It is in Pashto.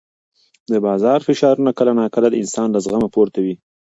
د بازار فشارونه کله ناکله د انسان له زغمه پورته وي.